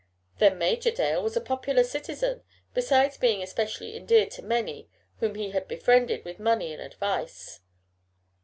Then Major Dale was a popular citizen, besides being especially endeared to many whom he had befriended with money and advice.